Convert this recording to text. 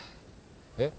えっ？